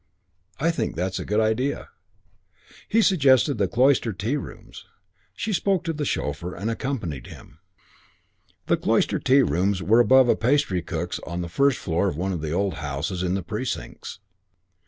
"I think that's a good idea." He suggested the Cloister Tea Rooms. She spoke to the chauffeur and accompanied him. II The Cloister Tea Rooms were above a pastry cook's on the first floor of one of the old houses in The Precincts.